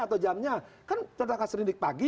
atau jamnya kan tentang serindik pagi